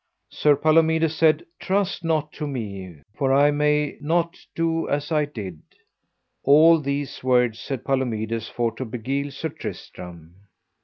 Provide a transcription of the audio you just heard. Sir Palomides said: Trust not to me, for I may not do as I did. All these words said Palomides for to beguile Sir Tristram.